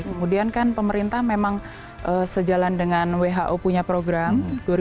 kemudian kan pemerintah memang sejalan dengan who punya program